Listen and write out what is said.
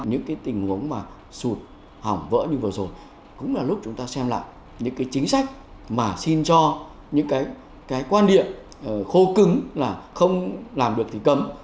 những cái tình huống mà sụt hỏng vỡ như vừa rồi cũng là lúc chúng ta xem lại những cái chính sách mà xin cho những cái quan điện khô cứng là không làm được thì cấm